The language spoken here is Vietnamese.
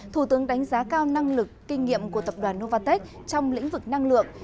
thủ tướng đánh giá cao năng lực kinh nghiệm của tập đoàn novartek trong lĩnh vực năng lượng